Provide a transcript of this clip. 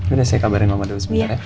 udah saya kabarin mama dulu sebentar ya